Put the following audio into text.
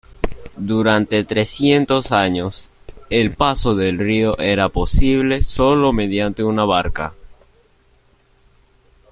Durante trescientos años, el paso del río era posible sólo mediante una barca.